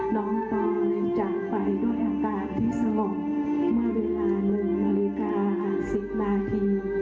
น้องปอยจะไปด้วยอากาศที่สงบเมื่อเวลาหนึ่งนาฬิกาสิบนาที